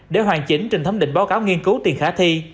để hoàn chỉnh trình thấm định báo cáo nghiên cứu tiền khả thi